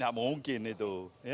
ya mungkin itu